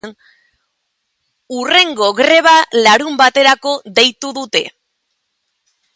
Hurrengo greba larunbaterako deitu dute.